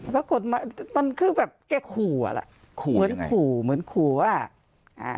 ก็กฎหมายมันคือแบบแกคู่อะแหละคู่ยังไงเหมือนคู่เหมือนคู่ว่าอ่า